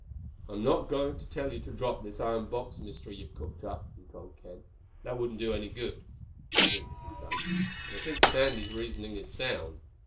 "I'm not going to tell you to drop this iron box mystery you've cooked up," he told Ken. "That wouldn't do any good." He grinned at his son. "But I think Sandy's reasoning is sound.